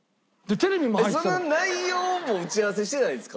その内容も打ち合わせしてないんですか？